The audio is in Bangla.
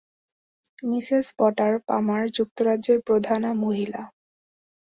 মিসেস পটার পামার যুক্তরাজ্যের প্রধানা মহিলা।